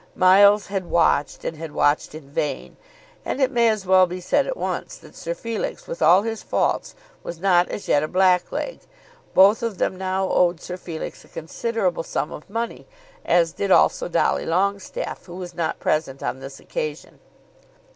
Miles had watched, and had watched in vain, and it may as well be said at once that Sir Felix, with all his faults, was not as yet a blackleg. Both of them now owed Sir Felix a considerable sum of money, as did also Dolly Longestaffe, who was not present on this occasion.